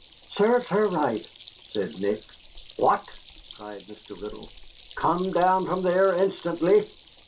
"Serves her right," said Nick. "What!" cried Mr. Riddle. "Come down from there instantly."